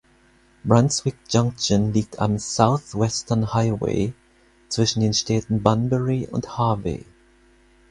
Brunswick Junction liegt am South Western Highway zwischen den Städten Bunbury und Harvey.